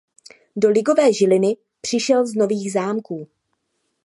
Do ligové Žiliny přišel z Nových Zámků.